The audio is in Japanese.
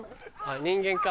人間か。